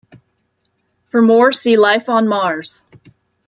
For more, see Life on Mars.